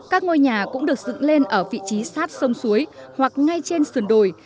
các ngôi nhà cũng được dựng lên ở vị trí sát sông suối hoặc ngay trên sườn đồi